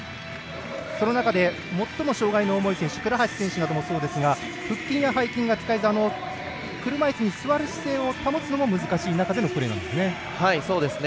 その中で、最も障がいの重い選手倉橋選手などもそうですが腹筋や背筋が使えず、車いすに座る姿勢を保つのも難しい中でのプレーですね。